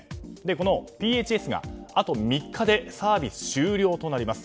このＰＨＳがあと３日でサービス終了となります。